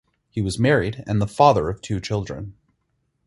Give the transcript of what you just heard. He was married and the father of two children.